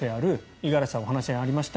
五十嵐さんからもお話ありました